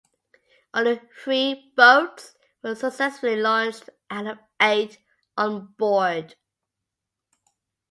Only three boats were successfully launched out of the eight on board.